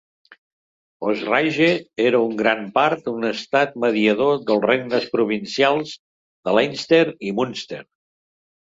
Osraige era en gran part un estat mediador dels regnes provincials de Leinster i Munster.